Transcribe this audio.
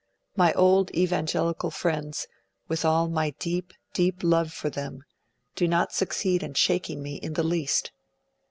My old Evangelical friends, with all my deep, deep love for them, do not succeed in shaking me in the least....